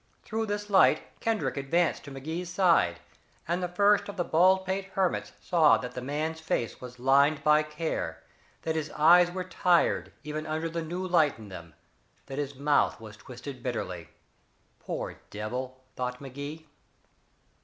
Through this light Kendrick advanced to Magee's side, and the first of the Baldpate hermits saw that the man's face was lined by care, that his eyes were tired even under the new light in them, that his mouth was twisted bitterly. "Poor devil," thought Magee.